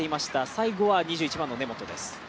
最後は２１番の根本です。